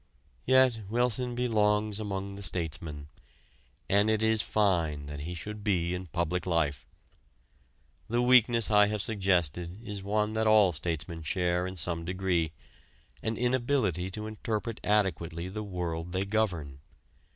Yet Wilson belongs among the statesmen, and it is fine that he should be in public life. The weakness I have suggested is one that all statesmen share in some degree: an inability to interpret adequately the world they govern.